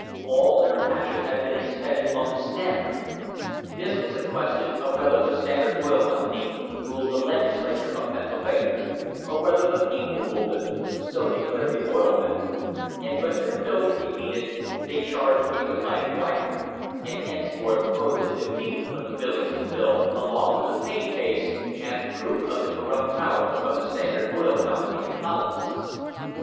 All their passion had been expended on the Standard. This was a question of whether the Standard Oil Company ruled the Legislature of Pennsylvania or whether the people ruled it so declared the oil men ; and when their bill was defeated they charged it was by bribery, and hence forth quoted the defeat of the Billingsley Bill along with the Payne case as proof of the corrupt power of the Standard Oil Company in politics.